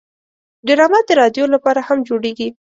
ډرامه د رادیو لپاره هم جوړیږي